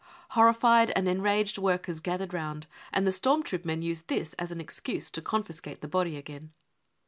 " Horrified and enraged workers gathered round, and the storm troop men used this as an excuse to confiscate the body again.